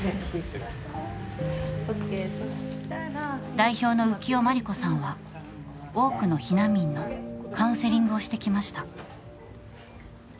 代表の浮世満理子さんは、多くの避難民のカウンセリングをしてきました。